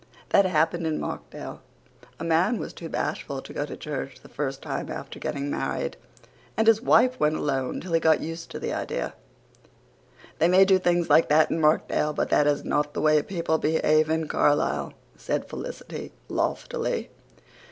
"That happened in Markdale. A man was too bashful to go to church the first time after getting married, and his wife went alone till he got used to the idea." "They may do things like that in Markdale but that is not the way people behave in Carlisle," said Felicity loftily.